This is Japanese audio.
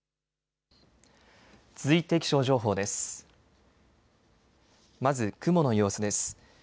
まず雲の様子です。